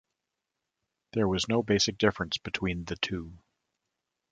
There was no basic difference between the two.